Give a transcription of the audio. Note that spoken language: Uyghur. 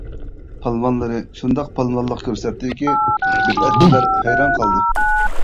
پالۋانلىرى شۇنداق پالۋانلىق كۆرسەتتىكى، بىدئەتچىلەر ھەيران قالدى.